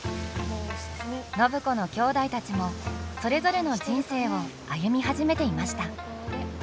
暢子のきょうだいたちもそれぞれの人生を歩み始めていました。